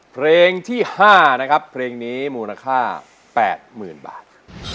เพลงที่๕นะครับเพลงนี้มูลค่า๘๐๐๐บาท